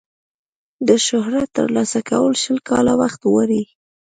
د شهرت ترلاسه کول شل کاله وخت غواړي.